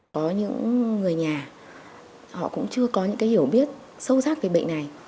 có những người nhà họ cũng chưa có những hiểu biết sâu sắc về bệnh này